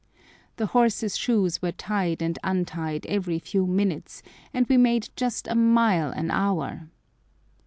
The horses' shoes were tied and untied every few minutes, and we made just a mile an hour!